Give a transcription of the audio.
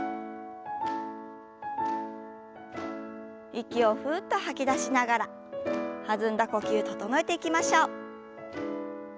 息をふっと吐き出しながら弾んだ呼吸整えていきましょう。